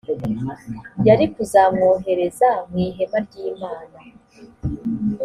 yari kuzamwohereza mu ihema ry imana